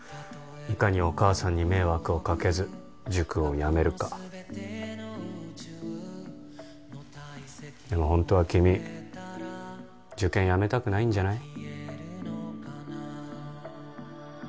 いかにお母さんに迷惑をかけず塾をやめるかでもホントは君受験やめたくないんじゃない？